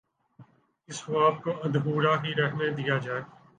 اس خواب کو ادھورا ہی رہنے دیا جائے۔